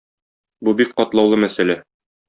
Бу бик катлаулы мәсьәлә.